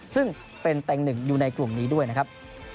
ซึ่งเป็นเต็งหนึ่งอยู่ในกลุ่มนี้ด้วยนะครับ